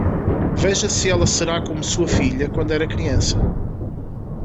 Veja se ela será como sua filha quando era criança.